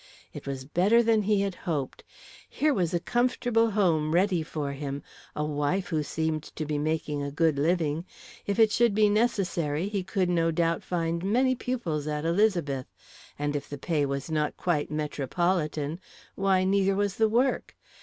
It was better than he had hoped. Here was a comfortable home ready for him; a wife who seemed to be making a good living. If it should be necessary, he could no doubt find many pupils at Elizabeth, and if the pay was not quite metropolitan, why, neither was the work.